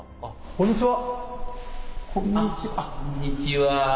こんにちは。